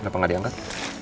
kenapa gak diangkat